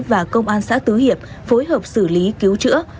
và công an xã tứ hiệp phối hợp xử lý cứu chữa